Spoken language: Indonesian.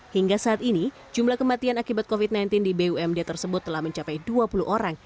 hingga saat ini jumlah kematian akibat covid sembilan belas di bumd tersebut telah mencapai dua puluh orang